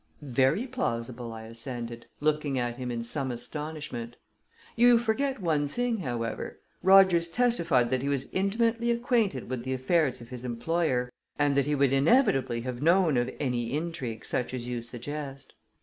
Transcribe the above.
"Very plausible," I assented, looking at him in some astonishment. "You forget one thing, however. Rogers testified that he was intimately acquainted with the affairs of his employer, and that he would inevitably have known of any intrigue such as you suggest."